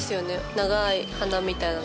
長い鼻みたいな。